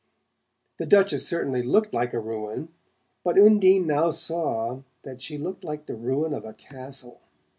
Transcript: The Duchess certainly looked like a ruin; but Undine now saw that she looked like the ruin of a castle.